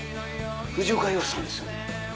藤岡弘、さんですよね？